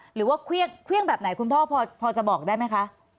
หรือว่าเครื่องแบบไหนคุณพ่อพอจะบอกได้ไหมคะ